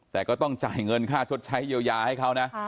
แต่ก็ต้องจ่ายเงินค่าชดใช้เยียวยาให้เขานะ